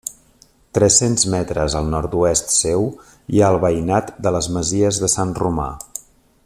Tres-cents metres al nord-oest seu hi ha el veïnat de les Masies de Sant Romà.